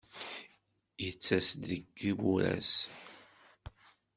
Yettas-d deg yimuras.